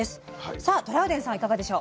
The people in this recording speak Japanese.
さあトラウデンさんいかがでしょう？